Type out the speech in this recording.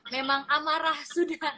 memang amarah sudah